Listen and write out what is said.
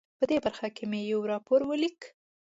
په دې برخه کې مې یو راپور ولیک.